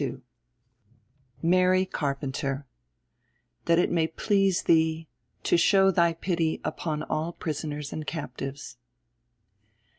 II MARY CARPENTER "That it may please Thee ... to show Thy pity upon all prisoners and captives."